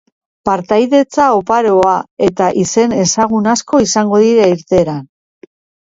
Partaidetza oparoa eta izen ezagun asko izango dira irteeran.